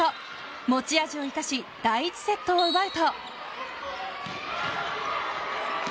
持ち味を生かし第１セットを奪うと。